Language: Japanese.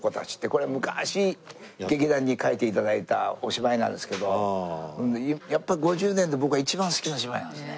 これ昔劇団に書いて頂いたお芝居なんですけどやっぱ５０年で僕が一番好きな芝居なんですね。